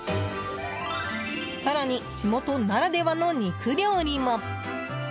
更に、地元ならではの肉料理も。